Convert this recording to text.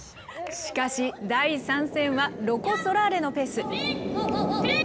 しかし、第３戦はロコ・ソラーレのペース。